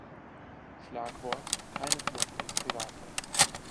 Schlagwort: Keine Flucht ins Privatrecht.